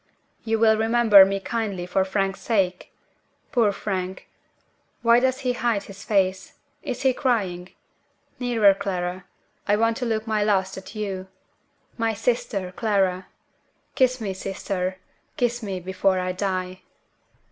You will remember me kindly for Frank's sake? Poor Frank! why does he hide his face? Is he crying? Nearer, Clara I want to look my last at you. My sister, Clara! Kiss me, sister, kiss me before I die!"